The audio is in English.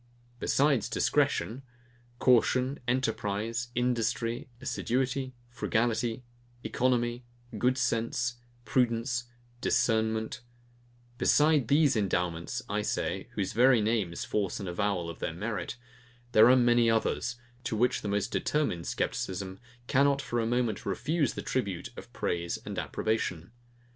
Besides DISCRETION, CAUTION, ENTERPRISE, INDUSTRY, ASSIDUITY, FRUGALITY, ECONOMY, GOOD SENSE, PRUDENCE, DISCERNMENT; besides these endowments, I say, whose very names force an avowal of their merit, there are many others, to which the most determined scepticism cannot for a moment refuse the tribute of praise and approbation.